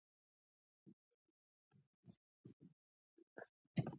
سیاسي علوم دلته د حل لاره نلري.